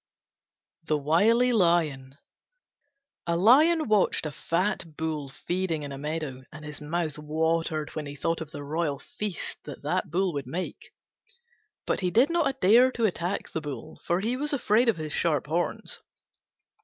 THE WILY LION A Lion watched a fat Bull feeding in a meadow, and his mouth watered when he thought of the royal feast he would make, but he did not dare to attack him, for he was afraid of his sharp horns.